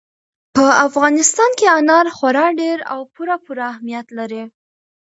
په افغانستان کې انار خورا ډېر او پوره پوره اهمیت لري.